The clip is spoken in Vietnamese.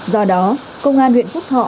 do đó công an huyện phúc thọ